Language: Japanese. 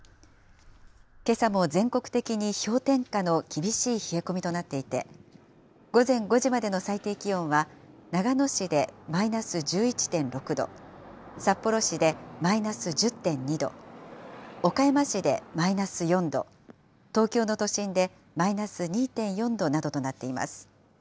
けさも全国的に氷点下の厳しい冷え込みとなっていて、午前５時までの最低気温は長野市でマイナス１１．６度、札幌市でマイナス１０．２度、岡山市でマイナス４度、東京の都心でマイナス２．４度などとなっています。